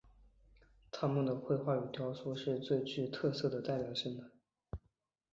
他们的绘画与雕塑是最具特色与代表性的。